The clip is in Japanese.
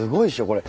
これ。